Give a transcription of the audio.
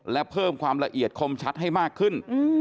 และเพิ่มความละเอียดคมชัดให้มากขึ้น